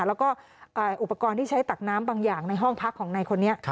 แล้วก็อุปกรณ์ที่ใช้ตักน้ำบางอย่างในห้องพักของนายคนนี้